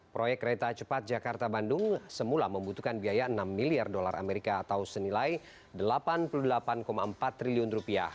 proyek kereta cepat jakarta bandung semula membutuhkan biaya enam miliar dolar amerika atau senilai rp delapan puluh delapan empat triliun